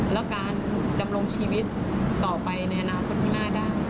แล้วการดำรงชีวิตต่อไปในอนาคตข้างหน้าได้